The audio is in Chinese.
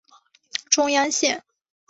中央线